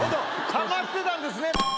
はまってたんですね。